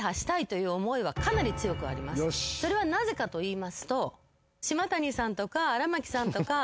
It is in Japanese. それはなぜかといいますと。